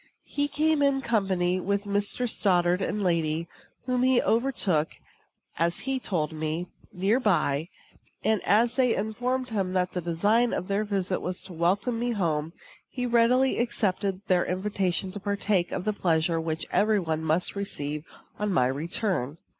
He came in company with Mr. Stoddard and lady, whom he overtook, as he told me, near by; and, as they informed him that the design of their visit was to welcome me home, he readily accepted their invitation to partake of the pleasure which every one must receive on my return.